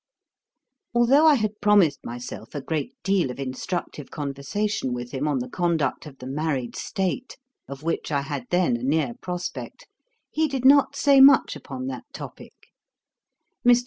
Although I had promised myself a great deal of instructive conversation with him on the conduct of the married state, of which I had then a near prospect, he did not say much upon that topick. Mr.